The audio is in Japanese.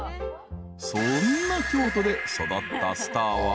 ［そんな京都で育ったスターは］